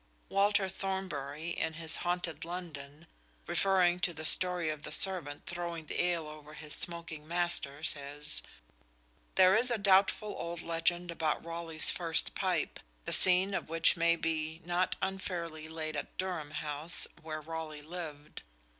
Walter Thornbury, in his "Haunted London," referring to the story of the servant throwing the ale over his smoking master, says: "There is a doubtful old legend about Raleigh's first pipe, the scene of which may be not unfairly laid at Durham House, where Raleigh lived."